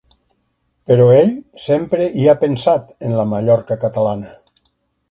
Però ell sempre hi ha pensat en la Mallorca catalana.